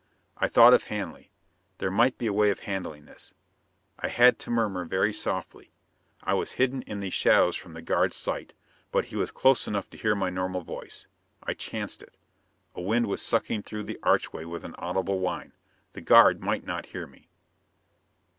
I thought of Hanley. There might be a way of handling this. I had to murmur very softly. I was hidden in these shadows from the guard's sight, but he was close enough to hear my normal voice. I chanced it. A wind was sucking through the archway with an audible whine: the guard might not hear me.